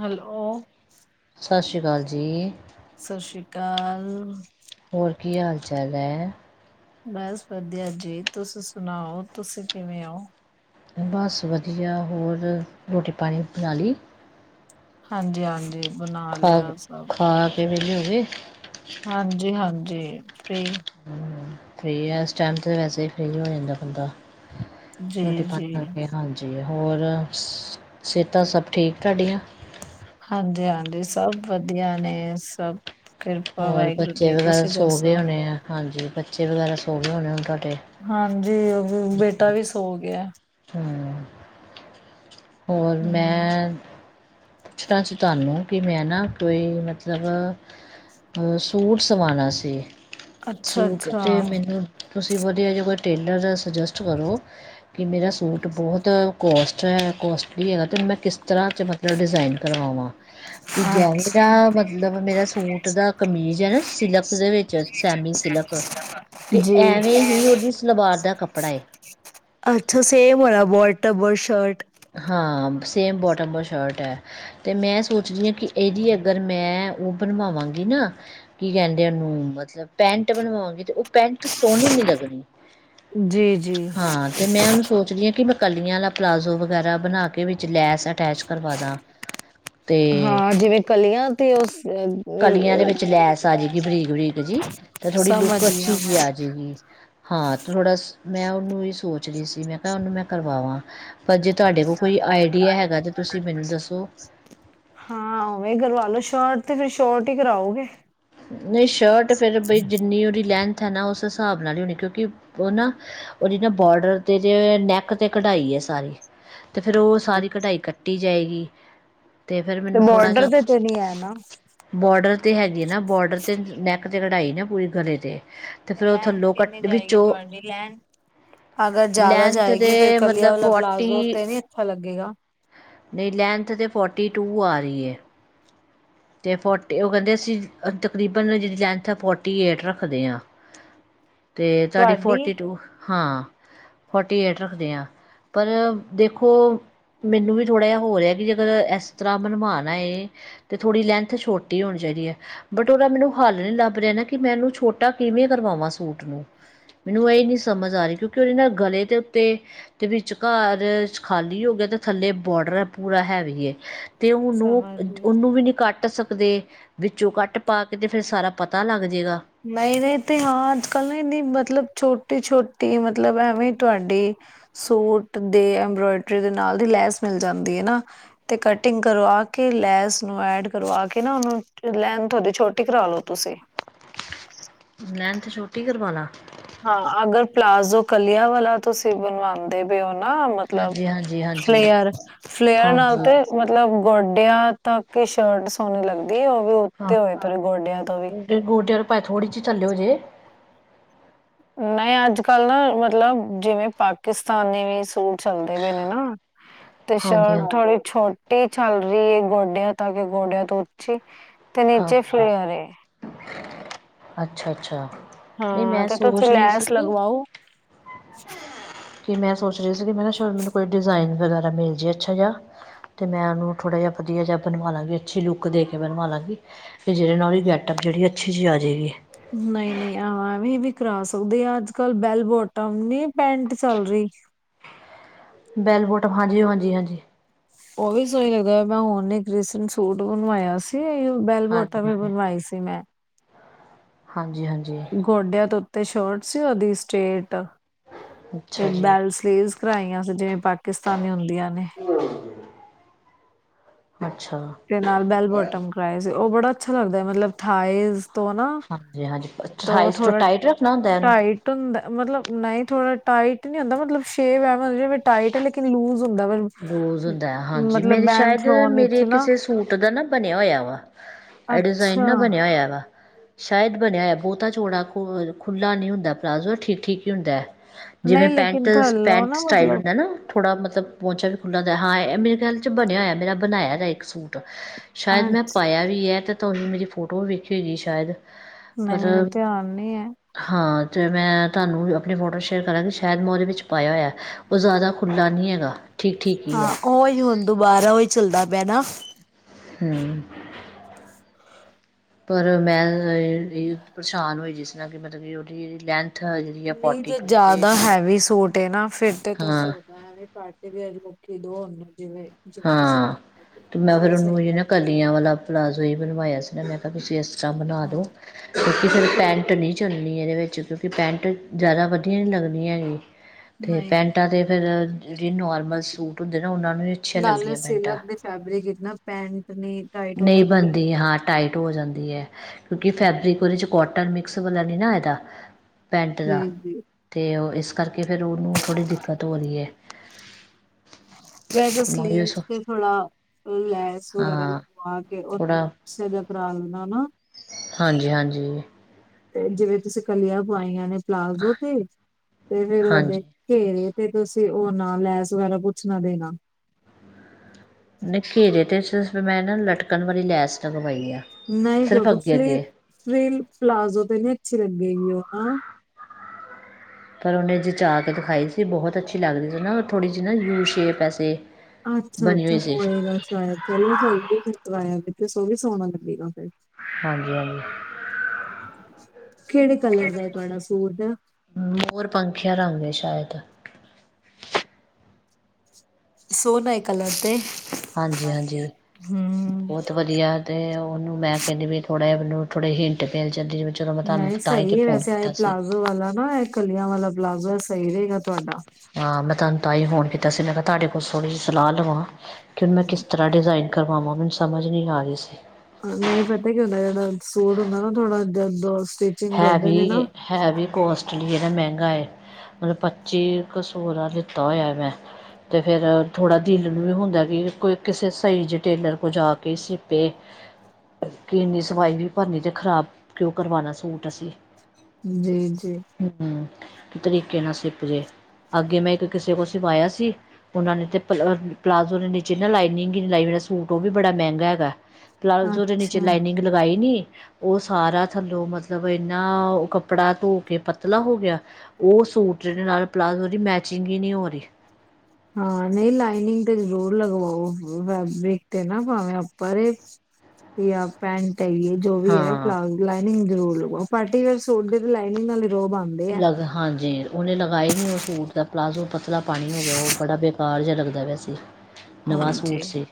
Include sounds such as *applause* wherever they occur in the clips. Hello. ਸਤਿ ਸ਼੍ਰੀ ਅਕਾਲ ਜੀ। ਸਤਿ ਸ੍ਰੀ ਅਕਾਲ। ਹੋਰ ਕੀ ਹਾਲ ਚਾਲ ਹੈ? ਬਸ ਵਧੀਆ ਜੀ ਤੁਸੀ ਸੁਣਾਓ ਤੁਸੀਂ ਕਿਵੇਂ ਹੋ? ਬਸ ਵਧੀਆ ਹੋਰ ਰੋਟੀ ਪਾਣੀ ਬਣਾ ਲਈ? ਹਾਂਜੀ ਹਾਂਜੀ। ਬਣਾ ਲਿਆ ਸਭ ਕਿ ਵਲੇ ਹੋ ਗਏ। ਹਾਂਜੀ-ਹਾਂਜੀ। ਜੇ *unintelligible* ਫ੍ਰਰੀ ਹੈ ਇਸ ਟਾਈਮ ਤੇ ਵੈਸੇ ਹੀ ਫ੍ਰਰੀ ਹੋ ਜਾਂਦਾ ਬੰਦਾ। ਜੀ ਰੋਟੀ-ਪਾਣੀ ਜੀ, ਕਰ ਕੇ ਹਾਂਜੀ। ਹੋਰ ਸਿਹਤਾਂ ਸਭ ਠੀਕ ਤਾਡੀਆਂ- ਹਾਂਜੀ-ਅਂਜੀ, ਸਭ ਵਧੀਆ ਨੇ ਸਭ ਕਿਰਪਾ ਹੋਰ ਵਾਹਿਗੁਰੂ ਬੱਚੇ ਜੀ, ਵਗੈਰਾ, ਤੁਸੀਂ ਸੋ ਗਏ ਦੱਸੋ? ਹੋਣੇ ਐ, ਹਾਂਜੀ। ਬੱਚੇ ਵਗੈਰਾ ਸੋਗੇ ਹੋਣੇ, ਹੁਨ ਤ ਹਾਂਜੀ ਓ ਬੇਟਾ ਵੀ ਸੋ ਗਿਆ। ਗਿਆ ਹਮ ਹੋਰ ਹਮ, ਮੈਂ ਪੁੱਛਣਾ ਸੀ ਤੁਹਾਨੂੰ ਕਿ ਮੈਂ ਨਾ ਕੋਈ ਮਤਲਬ ਅਹ ਸੂਟ ਸਵਾਉਣਾ ਸੀ। ਅੱਛਾ ਸੂਟ ਅੱਛਾ, ਤੇ ਮੈਨੂੰ ਤੁਸੀਂ ਵਧੀਆ ਜ ਟੇਲਰ ਸਜੈਸਟ ਕਰੋ ਕਿ ਮੇਰਾ ਸੂਟ ਬਹੁਤ ਕੋਸਟ ਅਤੇ ਕਾਸਟਲੀ ਹੈਗਾ ਅਤੇ ਮੈਂ ਕਿਸ ਤਰ੍ਹਾਂ ਚ ਮਤਲਬ ਡਿਜ਼ਾਇਨ ਕਰਵਾਵਾਂ ਕਿ ਜਿਵੇਂ ਦਾ ਅੱਛਾ ਮਤਲਬ ਮੇਰਾ ਸੂਟ ਦਾ ਕਮੀਜ਼ ਹੈ ਨਾ ਸਿਲਕ ਦੇ ਵਿੱਚ ਸੈਮੀ ਸਿਲਕ ਤੇ ਜੀ। ਐਵੇਂ ਹੀ ਉਹਦੀ ਸਲਵਾਰ ਦਾ ਕੱਪੜਾ ਅੱਛਾ ਸੇਮ ਹੋਇ ਬੋਟ ਡਬਲ ਸ਼ਰਟ ਹਾਂ ਸੇਮ ਬੋਟਮ ਔਰ ਸ਼ਰਟ ਹੈ ਅਤੇ ਮੈਂ ਸੋਚਦੀ ਹਾਂ ਕਿ ਇਹਦੀ ਅਗਰ ਮੈਂ ਉਹ ਬਣਵਾਂਗੀ ਨਾ ਕੀ ਕਹਿੰਦੇ ਉਹਨੂੰ ਮਤਲਬ ਪੈਂਟ ਬਣਵਾਂਗੀ ਤਾਂ ਉਹ ਪੈਂਟ ਸੋਹਣੀ ਨਹੀਂ ਲੱਗਣੀ। ਜੀ ਜੀ। ਹਾਂ ਤੇ ਮੈਂ ਉਹਨੂੰ ਸੋਚਦੀ ਹਾਂ ਕਿ ਮੈਂ ਕਲੀਆਂ ਵਾਲਾ ਪਲਾਜ਼ੋ ਵਗੈਰਾ ਬਣਾ ਕੇ ਵਿੱਚ ਲੈਸ ਅਟੈਚ ਕਰਵਾ ਦਾਂ ਤੇ ਹਾਂ ਜਿਵੇਂ ਕਲੀਆਂ ਤੇ ਉਸ ਅ, ਕਲੀਆਂ ਦੇ ਅ, ਵਿੱਚ ਲੈਸ ਆ ਜਾਏਗੀ ਬਰੀਕ ਬਰੀਕ ਜੀ ਤੇ ਥੋੜੀ ਸਮਝ ਲੁੱਕ ਅੱਛੀ ਗਿਆ ਜਿ ਮੈਂ। ਆ ਜਾਏਗੀ ਹਾਂ ਤੇ ਥੋੜਾ ਮੈਂ ਉਹਨੂੰ ਇਹ ਸੋਚ ਰਹੀ ਸੀ ਮੈਂ ਕਿਹਾ ਉਹਨੂੰ ਮੈਂ ਕਰਵਾਵਾਂ। ਪਰ ਜੇ ਤੁਹਾਡੇ ਕੋਲ ਕੋਈ ਆਈਡੀਆ ਹੈਗਾ ਤਾਂ ਤੁਸੀਂ ਮੈਨੂੰ ਦੱਸੋ ਹਾਂ ਉਵੇਂ ਕਰਵਾ ਲਓ ਸ਼ਾਟ ਤੇ ਫਿਰ ਸ਼ੋਟ ਹੀ ਕਰਾਓਗੇ। ਨਹੀਂ ਸ਼ਰਟ ਫਿਰ ਬਈ ਜਿੰਨੀ ਉਹਦੀ ਲੈਂਥ ਉਥ ਨਾ ਉਸ ਹਿਸਾਬ ਨਾਲ ਕਿਉਂਕਿ ਨਾ ਉਹ ਜ ਨਾ ਬੋਰਡਰ ਤੇ ਨੈੱਕ ਤੇ ਕਢਾਈ ਹੈ ਸਾਰੀ। ਤੇ ਫਿਰ ਉਹ ਸਾਰੀ ਕਢਾਈ ਕੱਟੀ ਜਾਏਗੀ। ਤੇ ਫਿਰ ਮੈਨੂੰ ਥੋੜਾ ਬੋਰਡਰ ਜਿਹਾ ਤੇ ਤੇ ਨੀ ਹੈ ਨਾ। ਬੋਡਰ ਹੈਗੇ ਨਾ। ਬੋਰਡਰ ਤੇ ਨੈਕ ਤੇ ਕਢਾਈ ਇਹ ਪੂਰੀ ਗਲੇ 'ਤੇ ਤੇ ਫੇਰ ਉਹ ਲੈਣ ਥੱਲੋਂ ਕਿੰਨੀ ਕੱਟ ਜਾਏਗੀ ਵਿੱਚੋਂ ਤੁਹਾਡੀ ਲੈਣ ਅਗਰ ਜ਼ਿਆਦਾ ਲੈਂਥ ਜਾਏਗੀ ਫਿਰ ਤੇ ਕਲਆ ਮਤਲਬ ਵਾਲਾ ਫੋਰਟੀ ਪਲਾਜ਼ੋ ਤੇ ਨੀ ਅੱਛਾ ਲੱਗੇਗਾ। ਨਹੀਂ ਲੈਂਥ ਤਾਂ ਫੋਰਟੀ ਟੂ ਆ ਰਹੀ ਹੈ। ਤੇ ਫੋਟੀ ਉਹ ਕਹਿੰਦੇ ਅਸੀਂ ਤਕਰੀਬਨ ਜਿਹੜੀ ਲੈਂਥ ਹੈ ਫੋਰਟੀ ਏਟ ਰੱਖਦੇ ਹਾਂ। ਤੇ ਤੁਹਾਡੀ ਫੋਰਟੀ ਟੂ ਹਾ । ਫੋਰਟੀ ਏਟ ਰੱਖਦੇ ਹਾਂ ਪਰ ਦੇਖੋ ਮੈਨੂੰ ਵੀ ਥੋੜਾ ਜਿਹਾ ਹੋ ਰਿਹਾ ਕਿ ਜੇਕਰ ਇਸ ਤਰ੍ਹਾਂ ਮਨਮਾਨ ਆ ਹੈ। ਅਤੇ ਥੋੜੀ ਲੈਂਥ ਛੋਟੀ ਹੋਣੀ ਚਾਹੀਦੀ ਹੈ ਬਟ ਉਹਦਾ ਮੈਨੂੰ ਹੱਲ ਨਹੀਂ ਲੱਭ ਰਿਹਾ ਨਾ ਕਿ ਮੈਂ ਉਹਨੂੰ ਛੋਟਾ ਕਿਵੇਂ ਕਰਵਾਵਾਂ ਸੂਟ ਨੂੰ ਮੈਨੂੰ ਇਹ ਨਹੀਂ ਸਮਝ ਆ ਰਹੀ ਕਿਉਂਕਿ ਉਹਦੇ ਨਾਲ ਗਲੇ ਦੇ ਉੱਤੇ ਦੇ ਵਿਚ ਘਰ ਖਾਲੀ ਹੋ ਗਿਆ ਤਾਂ ਥੱਲੇ ਬੋਡਰ ਹੈ। ਪੂਰਾ ਹੈ ਵੀ ਹੈ। ਤੇ ਉਹਨੂੰ ਸਮਝ ਗਈ। ਉਹਨੂੰ ਵੀ ਨਹੀਂ ਕੱਟ ਸਕ ਦੇ ਵਿੱਚੋਂ ਕੱਟ ਪਾ ਕੇ ਅਤੇ ਫਿਰ ਸਾਰਾ ਪਤਾ ਲੱਗ ਜਾਏਗਾ ਨਹੀਂ, ਨਹੀਂ ਤੇ ਹਾਂ ਅੱਜ, ਕੱਲ ਨਾਨੀ ਮਤਲਬ ਛੋਟ ਛੋਟੀ, ਛੋਟੀ ਮਤਲਬ ਐਵੇਂ ਤੁਹਾਡੀ ਸੂਟ ਦੇ ਐਬ੍ਰੋਇਡਰੀ ਦੇ ਨਾਲ ਦੀ ਲੈਸ ਮਿਲ ਜਾਂਦੀ ਹੈ ਨਾ ਤੇ ਕਟਿੰਗ ਕਰਵਾ ਕੇ ਲੈਸ ਨੂੰ ਐਡ ਕਰਵਾ ਕੇ ਨਾ ਉਹਨੂੰ ਲੈ ਤੁਡੀ ਛੋਟੀ ਕਰਾ ਲੋ। ਤੁਸੀਂ ਲੈਂਥ ਤੇ ਛੋਟੀ ਕਰਵਾ ਲਾ। ਹਾਂ ਅਗਰ ਪਲਾਜ਼ੋ ਕਲੀਆ ਵਾਲਾ ਤੁਸੀਂ ਬਣਵਾਉਂਦੇ ਪਊ । ਨਾ ਮਤਲਬ ਹਾਂਜੀ ਹਾਂਜੀ ਹਾਂਜੀ ਫਲੇਅਰ ਫਲੇਅਰ ਨਾਲ ਹਾਂਜੀ ਤੇ ਮਤਲਬ ਗੋਡਿਆਂ ਤੱਕ ਸ਼ਰਟ ਸੋਹਣੀ ਲੱਗਦੀ ਦੇ ਹੋ ਵੀ ਉੱਤੇ ਹੋਏ ੜੇ ਗੋਡਿਆਂ ਤੋਂ ਵੀ ਭਾਵੇ ਥੋੜੀ ਜਿਹੀ ਚੱਲਿਓ ਹੋ ਜੇ । ਨਹੀਂ ਅੱਜ, ਕੱਲ ਨਾ ਮਤਲਬ ਜਿਵੇਂ ਪਾਕਿਸਤਾਨੀ ਸੂਟ। ਚੱਲਦੇ ਪਏ ਨੇ ਨਾ ਤੇ ਹਾਂਜੀ ਸ਼ਰਟ ਹਾਂਜੀ ਥੋੜੀ ਛੋਟੀ ਟੀ ਚੱਲ ਰਹੀ ਹੈ ਗੋਡਿਆਂ ਤੱਕ ਗੋਡਿਆਂ ਤੋਂ ਉੱਚੀ। ਤੇ ਨੀਚੇ ਹਾਂਜੀ ਫਲੇਅਰ ਹੈ ਅੱਛਾ, ਅੱਛਾ। ਨਹੀਂ ਹਾਂ ਮੈਂ ਤੇ ਤੁਸੀਂ ਸੋਚ ਰਹੀ ਸੀ ਲੈਸ ਕਿ ਲਗਵਾਓ ਕਿ ਮੈਂ ਸੋਚ ਰਹੀ ਸੀ ਕਿ ਮੈਂ ਨਾ ਸ਼ ਮੈਨੂੰ ਕੋਈ ਡਿਜ਼ਾਇਨ ਵਗੈਰਾ ਮਿਲ ਜਵੇ ਅੱਛਾ ਜਿਹਾ ਅਤੇ ਮੈਂ ਉਹਨੂੰ ਥੋੜਾ ਜਿਹਾ ਵਧੀਆ ਜਿਹਾ ਬਣਵਾ ਲਵਾਂਗੀ ਅੱਛੀ ਲੁੱਕ ਦੇ ਕੇ ਬਵਾ ਲਵਾਂ ਵੀ ਜਿਹੜੇ ਨਾਲੀ ਗੈਟਅਪ ਜਿਹੜੀ ਅੱਛੀ ਜਿਹੀ ਆ ਜਾਵੇਗੀ। ਨਹੀਂ, ਨਹੀਂ ਆਵੇਂ ਵੀ ਕਰਾ ਸਕਦੇ ਅੱਜ ਕੱਲ ਬੈਲ ਬੋਟਮ ਨੀ ਪੈਂਟ ਚੱਲ ਰਹੀ। ਬੈਲਬੋਟ ਹਾਂਜੀ, ਹਾਂਜੀ, ਹਾਂਜੀ। ਉਹ ਵੀ ਸੋਹੀ ਲੱਗਦਾ ਮੈਂ ਹੁਣ ਇੱਕ ਰੀਸੈਂਟ ਸੂਟ ਬਣਵਾਇਆ ਸੀ। ਬੈਲ ਹਾਂਜੀ ਬੋਟਮ ਵੀ ਬਣਵਾਈ ਸੀ ਮੈਂ। ਹਾਂਜੀ। ਹਾਂਜੀ ਗੋਡਿਆਂ ਤੋਂ ਤੇ ਸ਼ੋਰਟ ਸੀ ਉਹਦੀ ਸਟੇਟ ਤੇ ਅੱਛਾ ਜੀ ਬੈਲਟ ਸਲੀਵਸ ਕਰਾਈਆਂ ਸੀ ਜਿਵੇਂ ਪਾਕਿਸਤਾਨੀ ਹੁੰਦੀਆਂ ਨੇ। ਅੱਛਾ ਤੇ ਨਾਲ ਬੈਲ ਬੋਟਮ ਕਰਵਾਆ ਸੀ ਉਹ ਬੜਾ ਅੱਛਾ ਲੱਗਦਾ ਹੈ। ਮਤਲਬ ਥਏਜ਼ ਤੋ ਨਾ ਹਾਂਜੀ ਹਾਂਜੀ ਤ ਅਠਾਈ ਤੋਂ ਥੋੜਾ ਟਾਈਟ ਰੱਖਣਾ ਹੁੰਦਾ ਇਹਨੂੰ ਟਾਈਟ ਹੁੰਦਾ ਮਤਲਬ ਨਹੀਂ ਥੋੜਾ ਟਾਈਟ ਨੀ ਹੁੰਦਾ ਮਤਲਬ ਸ਼ੇਵ ਹੈ ਮਤਬ ਟਾਈਟ ਹੈ। ਲੇਿਨ ਲੂਜ਼। ਹੁੰਦਾ ਪਰ ਰੋਜ਼ ਹੁੰਦਾ ਹੈ ਹਾਂਜੀ ਮਤਲਬ ਮੇਰੇ ਬੈਂਡ ਸ਼ਾਇਦ ਫਲੋਨ ਮੇਰੇ ਵਿੱਚ ਨਾ ਕਿਸੇ ਸੂਟ ਦਾ ਨਾ ਬਣਿਆ ਹੋਇਆ ਵਾ ਇਹ ਡਿਜ਼ਾਇਨ ਨਾ ਅੱਛਾ ਬਣਿਆ ਹੋਇਆ ਵਾ ਸ਼ਾਇਦ ਬਣਿਆ ਹੈ ਬਹੁਤਾ ਚੋੜਾ ਖੁੱਲਾ ਨੀ ਹੁੰਦਾ ਪਲਾਜ਼ੋ ਠੀਕ ਠੀਕ ਹੀ ਹੁੰਦਾ ਹੈ ਜਿਵੇਂ ਨਹੀਂ ਪੈਂਟ ਲੇਕਿਨ ਥੱਲੋਂ ਪੈਂਟ ਨਾ ਸਟਾਈਲ ਮਤਲਬ ਹੁੰਦਾ ਨਾ ਥੋੜਾ ਮਤਲਬ ਪਹੁੰਚਾ ਵੀ ਖੁੱਲਾ ਦਾ ਹਾਂ ਇਹ ਮੇਰੇ ਖਿਆਲ ਚ ਬਣਿਆ ਹੋਇਆ ਮੇਰਾ ਬਣਾਇਆ ਦਾ ਇੱਕ ਸੂਟ ਸ਼ਾਇਦ ਮੈਂ ਅੱਛਾ ਪਾਇਆ ਵੀ ਏ ਤੇ ਤਾਂ ਉਹਨੇ ਮੇਰੀ ਫੋਟੋ ਵੀ ਵੇਖੀ ਹੋਈਗੀ ਸ਼ਾਇਦ ਨਈਂ ਪਰ ਮੈਨੂੰ ਧਿਆਨ ਨੀ ਏਂ ਹਾਂ ਅਤੇ ਮੈਂ ਤੁਹਾਨੂੰ ਆਪਣੀ ਫੋਟੋ ਸ਼ੇਅਰ ਕਰਾਂਗੀ ਸ਼ਾਇਦ ਮੈਂ ਉਹਦੇ ਵਿੱਚ ਪਾਇਆ ਹੋਇਆ ਉਹ ਜ਼ਿਆਦਾ ਖੁੱਲ੍ਹਾ ਨਈਂ ਹੈਗਾ ਠੀਕ ਠੀਕ ਹੀ ਹਾਂ, ਹੈ ਉਹੀ ਹੁਣ ਦੁਬਾਰਾ ਓਈ ਚੱਲਦਾ ਪਿਆ ਨਾਂ ਹਂ, ਪਰ ਮੈਂ ਇਹ ਪਰੇਸ਼ਾਨ ਹੋਈ ਜਿਸ ਨਾਲ ਕਿ ਮਤਲਬ ਕਿ ਉਹਦੀ ਜਿਹੜੀ ਲੈਂ ਨਈਂ ਜੇ ਜ਼ਿਆਦਾ ਹੈਵੀ ਸੂਟ ਏ ਨਾਂ ਫਿਰ ਤੁਸੀਂ ਹਾਂ *inaudible* ਕਿ ਦੋਨ ਹਾਂ ਤੇ ਮੈਂ ਫੇਰ ਉਹੀ ਸਹੀ ਉਹਨੂੰ ਲੱਗਦਾ ਨਾ ਕਲੀਆਂ ਵਾਲਾ ਪਲਾਜ਼ੋ ਹੀ ਬਣਵਾਇਆ ਸੀ ਮੈਂ ਕਿਹਾ ਕੁਛੀ ਨਾਲ ਬਣਾ ਦੋ ਹਾਂ ਕਿਸੇ ਪੈਂਟ ਨ੍ਹੀਂ ਚੱਲਣੀ ਇਹਦੇ ਵਿੱਚ ਕਿਉਂਕਿ ਪੈਂਟ ਜ਼ਿਆਦਾ ਵਧੀਆ ਨਈਂ ਲੱਗਣੀ ਹੈਗੀ ਤੇ ਨਹੀਂ ਨਹੀਂ, ਪੈਂਟਾਂ ਤੇ ਫੇਰ ਜਿਹੜੇ ਨੋਰਮਲ ਸੂਟ ਹੁੰਦੇ ਨਾਂ ਉਹਨਾਂ ਨੂੰ ਹੀ ਅੱਛੀਆਂ ਨਾਲੇ ਲੱਗਦੀਆਂ ਪੈਂਟਾਂ ਸਿਲਕ ਦੇ ਫੈਬਰਿਕ ਪੈਂਟ ਨਈਂ ਟਾਈਟ ਹੋ ਜਾਂਦੀ ਐ ਟੋ ਹੋ ਜਾਂਦੀ ਐ ਕਿਉਂਕਿ ਫੈਬਰਿਕ ਉਹਦੇ ਚ ਕੋਟਨ ਮਿਕਸ ਵਾਲਾ ਨੀਂ ਨਾਂ ਇਹਦਾ ਪੈਂਟ ਦਾ ਜੀ ਜੀ ਤੇ ਉਹ ਇਸ ਕਰਕੇ ਫੇਰ ਉਹਨੂੰ ਥੋੜ੍ਹੀ ਦਿੱਕਤ ਹੋ ਰਹੀ ਐ ਵੈਸੇ ਉਹੀ ਸਲੀਵਸ ਸੋ ਤੇ ਥੋੜਾ ਲੈਸ ਵਗੈਰਾ ਹਾਂ ਲਗਵਾ ਕੇ *inaudible* ਬਹੁਤ ਥੋੜ੍ਹਾ *unintelligible* ਕਲ ਦਾ ਨਾਂ ਹਾਂਜੀ ਹਾਂਜੀ ਤੇ ਜਿਵੇਂ ਤੁਸੀਂ ਕਲੀਆਂ ਪਵਾਈਆਂ ਨੇਂ ਪਲਾਜ਼ੋ ਤੇ ਤੇ ਫੇਰ ਉਹਦੇ ਹਾਂਜੀ ਘੇਰੇ ਤੇ ਤੁਸੀਂ ਔ ਨਾਂ ਲੈਸ ਵਗੈਰਾ ਪੁੱਛਣਾ ਦੇਣਾ ਨਈਂ ਘੇਰੇ ਤੇ ਮੈਂ ਨਾਂ ਲਟਕਣ ਵਾਲੀ ਲੈਸ ਲਗਵਾਈ ਐ। ਨਈਂ ਕਿਉਂਕਿ ਫਲੇ ਫਲੇ ਪਲਾਜ਼ੋ ਤਾਂ ਨਈਂ ਅੱਛੀ ਲੱਗੇਗੀ ਉਹ ਨਾ ਪਰ ਉਹਨੇ ਜਿਚਾ ਕੇ ਦਿਖਾਈ ਸੀ ਬਹੁਤ ਅੱਛੀ ਲੱਗਦੀ ਸੀ ਨਾ ਥੋੜ੍ਹੀ ਜਿਹੀ ਨਾ ਯੂ ਸ਼ੇਪ ਐਸੇ ਅੱਛਾ ਬਣੀ ਅੱਛਾ ਹੋਈ ਸੀ ਹੋਏਗਾ ਸ਼ਾਇਦ ਚਲੋ ਸਹੀ ਏ ਫਿਰ ਕਰਵਾਆ ਤੇ। ਤੇ ਸੋ ਵੀ ਸੋਣਾ ਲੱਗੇਗਾ ਫਿਰ ਹਾਂਜੀ ਹਾਂਜੀ ਕਿਹੜੇ ਕਲਰ ਦਾ ਤੁਹਾਡਾ ਸਟ ਦਾ ਹਾਂਜੀ ਮੋਰ ਪੰਖੀਆ ਰੰਗ ਹੈ ਸ਼ਾਇਦ ਸੋਹਣੇ ਕਲਰ ਤੇ ਹਾਂਜੀ ਹਾਂਜੀ ਹੂੰ। ਬਹੁਤ ਵਧੀਆ ਤੇ ਉਹਨੂੰ ਮੈਂ ਕਹਿੰਦੀ ਵੀ ਥੋੜਾ ਜਿਹਾ ਮ ਥੋੜੇ ਹਿੰਟ ਪੈ ਜਾਂਦੀ ਚਲੋ ਮੈਂ ਤੁਹਾਨੂੰ ਨਹੀਂ ਤਾਂ ਹੀ ਤੇ ਸਹੀ ਫੋਨ ਵੈਸੇ ਆਏ ਕੀਤਾ ਸੀ ਪਲਾਜ਼ੋ ਵਾਲਾ ਨਾ ਕਲੀਆਂ ਵਾਲਾ ਪਲਾਜ਼ੋ ਸਹੀ ਰਹੇਗਾ ਤੁਹਾਡਾ ਹਾਂ ਮੈਂਤਾਨ ਤਾਂ ਹੀ ਫੋਨ ਕੀਤਾ ਸੀ ਮੈਂ ਤੁਹਾਡੇ ਕੋਲੋਂ ਥੋੜੀ ਸਲਾਹ ਲਵਾਂ ਤੁਹਾਡੇ ਕਿ ਹੁਣ ਮੈਂ ਕਿਸ ਤਰ੍ਹਾਂ ਡਿਜ਼ਾਇਨ ਕਰਵਾਵਾਂ ਮੈਨੂੰ ਸਮਝ ਨਹੀਂ ਆ ਰਹੀ ਸੀ ਨਹੀਂ ਪਤਾ ਕੀ ਹੁੰਦਾ ਜਿਹੜਾ ਸੂਟ ਹੁੰਦਾ ਨਾ ਥੋੜਾ ਜਦੋਤ ਹੈ ਵੀ ਹੈ ਵੀ ਕੋਸਟ ਲਈਏ ਨਾ ਮਹਿੰਗਾ ਏ ਮਤਲਬ ਪੱਚੀ ਕੁ ਸੋ ਦਾ ਲਿੱਤਾ ਹੋਇਆ ਮੈਂ ਤੇ ਫਿਰ ਥੋੜਾ ਦਿਲ ਨੂੰ ਵੀ ਹੁੰਦਾ ਕਿ ਕੋਈ ਕਿਸੇ ਸਹੀ ਜ ਟੇਲਰ ਕੋਲ ਜਾ ਕੇ ਸਿਪੇ ਕਿ ਇੰਨੀ ਸਵਾਈ ਵੀ ਭਰਨੀ ਤੇ ਖ਼ਰਾਬ ਕਿਉਂ ਕਰਵਾਣਾ ਸੂਟ ਦਸੀ ਜੀ ਜੀ ਕੀ ਤਰੀਕੇ ਨਾਲ ਸਿਪਜੇ ਅੱਗੇ ਮੈਂ ਇੱਕ ਕਿਸੇ ਕੋਲ ਸਿਵਾਇਆ ਸੀ ਉਹਨਾਂ ਨੇ ਤੇ ਪਲਾਜ਼ੋ ਨੇ ਨੀਚੇ ਨਾ ਲਾਈਨਿੰਗ ਹੀ ਨ ਲਾਈ ਮੇਰਾ ਸੂਟ ਉਹ ਵੀ ਬੜਾ ਮਹਿੰਗਾ ਹੈਗਾ ਪਲਾਜ਼ੋ ਦੇ ਨੀਚੇ ਅੱਛਾ ਲਾਈਨਿੰਗ ਲਗਾਈ ਨੀ ਉਹ ਸਾਰਾ ਥੱਲੋਂ ਮਤਲਬ ਮਤਲਬ ਇੰਨਾ ਕੱਪੜਾ ਧੋ ਕੇ ਪਤਲਾ ਹੋ ਗਿਆ ਉਹ ਸੂਟ ਜਿਹੜੇ ਨਾਲ ਪਲਾਜ਼ੋ ਦੀ ਮੈਚਿੰਗ ਹੀ ਨਹੀਂ ਹੋ ਰਹੀ ਹਾਂ ਨਹੀਂ ਲਾਈਨਿੰਗ ਤੇ ਜ਼ਰੂਰ ਲਗਵਾਓ ਫੈਬਰਿਕ ਤੇ ਨਾ ਭਾਵੇਂ ਪਰਾਂ ਇਹ ਵੀ ਪੈਂਟ ਹੈਗੀਏ ਜੋ ਵੀ ਹੈ ਹਾਂ ਪਲਾਜ਼ ਲਾਈਨਿੰਗ ਜ਼ਰੜ ਲਗਾ ਪਾਰਟੀ ਵਰ ਸੋਟ ਦੇ ਲਾਈਨਿੰਗ ਨਾਲ ਰੋਬ ਆਂਦੇ ਆ। ਲਗ ਹਾਂਜੀ ਉਹਨੇ ਲਗਾਏ ਨਹੀਂ ਉਹ ਸੂਟ ਦਾ ਪਲਾਜ਼ੋ ਪਤਲਾ ਪਾਣੀ ਹੋ ਗਿਆ ਉਹ ਬੜਾ ਬੇਕਾਰ ਜਿਹਾ ਲੱਗਦਾ ਪਿਆ ਸੀ ਨਵਾਂ ਸੂਟ ਹਾਂਜੀ। ਸੀ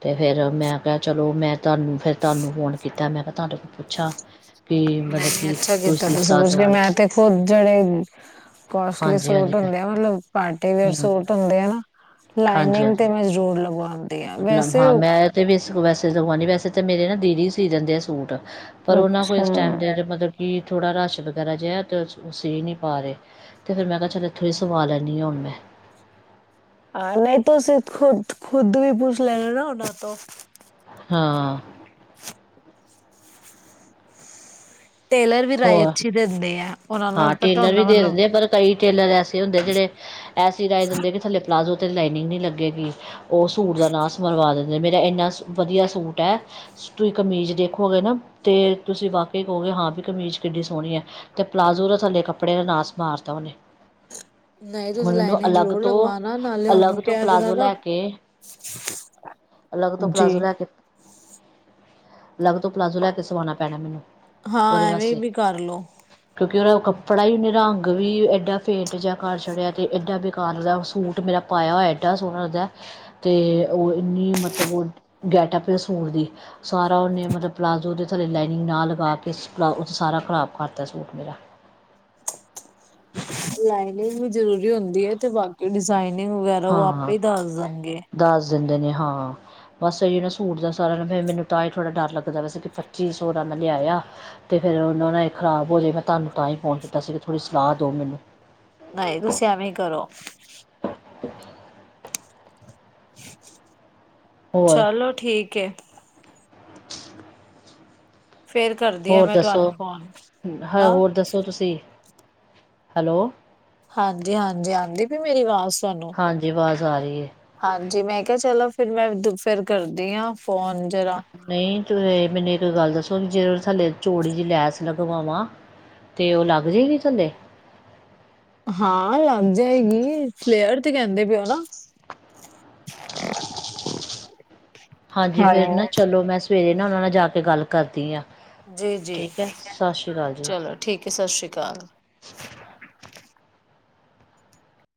ਤੇ ਫਿਰ ਮੈਂ ਕਿਹਾ ਚਲੋ ਮੈਂ ਤੁਹਾਨੂੰ ਫਿਰ ਤੁਹਾਨੂੰ ਫੋਨ ਕੀਤਾ ਮੈਂ ਕਿਹਾ ਤੁਹਾਡੇ ਕੋਲ ਪੁੱਛਾਂ ਕਿ ਮਤਲਬ ਨਹੀਂ ਕੀ ਅੱਛਾ ਕੀਤਾ ਤੁਸੀਂ ਸਾਥ ਪੁੱਛ ਹੋ ਕੇ ਗਏ ਮੈਂ ਤੇ ਜਿਹੜੇ ਕੋਸਟਲੀ ਹਾਂਜੀ ਸੂਟ ਹਾਂਜੀ ਹੁੰਦੇ ਆ ਮਤਲਬ ਪਾਰਟੀ ਵਅਰ ਹੂੰ ਸੂਟ ਹੁੰਦੇ ਆ ਨਾ ਲਾਈਨਿੰਗ ਤੇ ਮਨਜ਼ੂਰ ਲਵਾ ਮਤ ਹਾਂ ਮੈਂ ਆਆ ਤੇ ਵੀ ਇਸ ਵੈਸੇ ਅਤੇ ਦ ਨਹੀਂ ਵੈਸੇ ਤਾਂੇਰੇ ਨਾ ਦੀਦੀ ਸੀ ਦਿੰਦੇ ਆ ਸੂਟ। ਪਰ ਉਹਨਾਂ ਕੋਲ ਅੱਛਾ ਇਸ ਟਾਈਮ ਦੇ ਮਤਲਬ ਕਿ ਥੋੜਾ ਰਸ਼ ਵਗੈਰਾ ਜਿਹਾ ਨੀ ਪਾ ਰਹੇ ਤੇ ਫਿਰ ਮੈਂ ਕਿਹਾ ਚੱਲ ਇੱਥੋਂ ਸਵਾਲ ਲਨੀ ਹੁਣ ਮੈਂ। ਹਾਂ ਨਹੀਂ ਤਾਂ ਸਿਰ ਖੁਦ ਖੁਦ ਵੀ ਪੁੱਛ ਲੈਣਾ ਨਾ ਉਹਨਾਂ ਤੋਂ ਹਾਂ। *inaudible* ਟੇਲਰ ਵੀ ਰਾਏ ਹੋਰ ਅੱਛੀ ਦਿੰਦੇ ਆ ਉਹਨਾਂ ਨੂੰ ਹਾਂ ਪਤਾ ਟੇਲਰ ਵੀ ਹੁੰਦਾ ਦੇ ਮਤਲਬ ਦਿੰਦੇ ਆ ਪਰ ਕਈ ਟੇਲਰ ਐਸੇ ਹੁੰਦੇ ਜਿਹੜੇ ਐਸੀ ਰਾਏ ਦਿੰਦੇ ਕਿ ਥੱਲੇ ਪਲਾਜ਼ੋ ਲਾਈਨਿੰਗ ਨਹੀਂ ਲੱਗੇਗੀ। ਉਹ ਸੂਟ ਦਾ ਨਾਸ ਮਰਵਾ ਦਿੰਦੇ ਮੇਰਾ ਇੰਨਾ ਵਧੀਆ ਸੂਟ ਹੈ ਤੁਸੀਂ ਕਮੀਜ਼ ਦੇਖੋਗੇ ਨਾ ਤੇ ਤੁਸੀਂ ਵਾਕਈ ਕਹੋਗੇ ਹਾਂ ਵੀ ਕਮੀਜ਼ ਕਿੱਡੀ ਸੋਹਣੀ ਹੈ ਤੇ ਪਲਾਜ਼ੋ ਦੇ ਥੱਲੇ ਕੱਪੜੇ ਨਾਸ ਮਾਰਤਾ ਉਹਨੇ ਨਹੀਂ ਹੁਣ ਤੁਸੀਂ ਮੈਨੂੰ ਲਾਈਨਿੰਗ ਅਲੱਗ ਜ਼ਰੂਰ ਤੋਂ ਲਗਵਾਣਾ ਨਾਲੇ ਉਹਨੂੰ ਅਲੱਗ ਤੋਂ ਕਹਿ ਦੇਣਾ ਪਲਾਜ਼ੋ ਨਾ ਲੈ ਕੇ ਅਲੱਗ ਤੋਂ ਜੀ। ਪਲਾਜ਼ੋ ਲੈ ਕੇ ਅਲੱਗ ਤੋਂ ਪਲਾਜ਼ੋ ਲੈ ਕੇ ਸਵਾਉਣਾ ਪੈਣਾ ਮੈਨੂੰ ਉਹਦੇ ਹਾਂ ਐਵੇਂ ਵਾਸਤੇ ਵੀ ਕਰਲੋ ਕਿਉਂਕਿ ਉਹਦਾ ਕੱਪੜਾ ਹੀ ਉਹਨੇ ਰੰਗ ਵੀ ਐਡਾ ਫੇਟ ਜਾ ਕਰ ਛੱਡਿਆ ਤੇ ਏਡਾ ਵੇਕਾਰ ਲਦਾ ਸੂਟ ਮੇਰਾ ਪਾਇਆ ਹੋਇ ਐਡਾ ਸੋਹਣਾ ਲੱਗਦਾਤੇ ਉਹ ਇਨੀ ਮਤਲਬ ਗਟਪਐਪ ਸੂਟ ਦੀ ਸਾਰਾ ਉਹਨੇ ਮਲਬ ਪਲਾਜ਼ੋ ਦੇ ਥੱਲੇ ਲਾਈਨਿੰਗ ਨਾ ਲਗਾ ਕੇ ਉਹ ਸਾਰਾ ਖਰਾਬ ਕਰਤਾ ਸੂਟ ਮੇਰਾ ਲਾਈਨਿੰਗ ਵੀ ਜਰੂਰੀ ਹੁੰਦੀ ਹੈ ਤੇ ਬਾਕੀ ਡਿਜ਼ਾਇਨ ਵਗੈਰਾ ਉਹ ਆਪੇ ਹਾਂ ਹੀ ਦੱਸ ਦੇਣਗੇ। ਦੱਸ ਦਿੰਦੇ ਨੇ ਹਾਂ ਬਸ ਅ ਜ ਨਾ ਸੂ ਦਾ ਸਾਰਾ ਮੈਨੂੰ ਤਾਂ ਹੀ ਥੋੜਾ ਡਰ ਲੱ ਗਦਾ ਵੈਸੇ ਕਿ ਪੱਚੀ ਸੌ ਮੈਂ ਲਿਆਇਆ ਤੇ ਫਿਰ ਉਹਨਾਂ ਨੇ ਖਰਾਬ ਹੋ ਜਾਵੇ ਮੈਂ ਤੁਹਾਨੂੰ ਤਾਂ ਹੀ ਫੋਨ ਕੀਤਾ ਸੀ ਵੀ ਤੁਸੀਂ ਸਲਾਹ ਦਿਓ ਮੈਨੂੰ ਨਹੀਂ ਤੁਸੀਂ ਐਵੇਂ ਹੀ *unintelligible* ਹੋਰ ਚਲੋ ਠੀਕ ਹੈ। *inaudible* ਫੇਰ ਕਰਦੀ ਆ ਹੋਰ ਮੈਂ ਤੁਹਾਨੂੰ ਦੱਸੋ ਫੋਨ ਹ ਹੁਣ ਹੋਰ ਦੱਸੋ ਤੁਸੀਂ ਹੈਲੋ। ਹਾਂਜੀ, ਹਾਂਜੀ। ਆਂਦੀ ਪਈ ਮੇਰੀ ਆਵਾਜ਼ ਤੁਹਾਨੂੰ ਹਾਂਜੀ ਆਵਾਜ਼ ਆ ਰਹੀ ਹਾਂਜੀ। ਮੈਂ ਕਿਹਾ ਚਲੋ ਫਿਰ ਮੈਂ ਫਿਰ ਕਰਦੀ ਹਾਂ। ਫੋਨ ਜਰਾ ਨਹੀਂ ਤੂੰ ਮੈਨੇ ਇੱਕ ਗੱਲ ਦੱਸੋ ਕਿ ਜੇ ਥੱਲੇ ਚੋੜੀ ਜਿਹੀ ਲੈਸ ਲਗਵਾਵਾ ਤੇ ਉਹ ਲੱਗ ਜਾਏਗੀ ਥੱਲੇ ਹਾਂ ਲੱਗ ਜਾਏਗੀ ਫਲੇਅਰ ਤੇ ਕਹਿੰਦੇ ਪਏ ਹੋ ਨਾ। ਹਾਂਜੀ ਫੇਰ ਨਾ ਹੈਲੋ ਚਲੋ ਮੈਂ ਸਵੇਰੇ ਨਾ ਉਹਨਾਂ ਨਾਲ ਜਾ ਕੇ ਗੱਲ ਕਰਦੀ ਹਾਂ। ਜੀ ਜੀ ਠੀਕ ਹੈ ਸਤਿ ਸ਼੍ਰੀ ਅਕਾਲ ਜੀ ਚਲੋ ਠੀਕ ਹੈ, ਸਤਿ ਸ਼੍ਰੀ ਅਕਾਲ। *unintelligible* *inaudible*